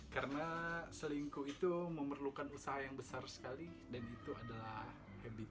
karena selingkuh itu memerlukan usaha yang besar sekali dan itu adalah habit